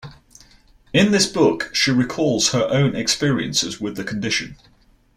In this book she recalls her own experiences with the condition.